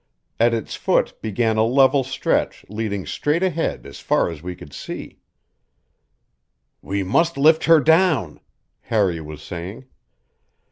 At its foot began a level stretch leading straight ahead as far as we could see. "We must lift her down," Harry was saying.